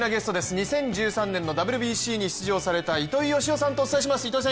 ２０１３年のＷＢＣに出場された糸井嘉男さんとお伝えします。